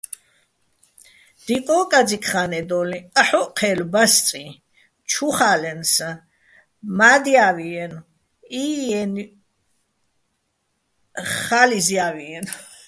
დიკო́, კაძიკ ხა́ნედოლიჼ აჰ̦ოჸ ჴე́ლო̆ ბასწიჼ, ჩუ ხა́ლენსაჼ, მა́დჲავჲიენო̆, "ჵიი"-აჲნო̆, ხალიზჲავინო̆.